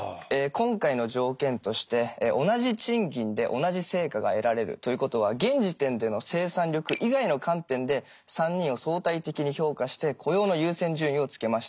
今回の条件として同じ賃金で同じ成果が得られるということは現時点での生産力以外の観点で３人を相対的に評価して雇用の優先順位をつけました。